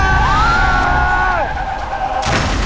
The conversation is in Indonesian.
kalau kan cek deketin ya